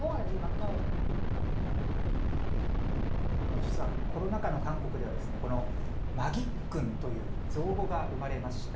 実はコロナ禍の韓国ではマギックンという造語が生まれました。